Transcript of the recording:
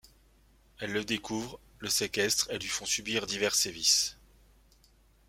Elles le découvrent, le séquestrent, et lui font subir divers sévices.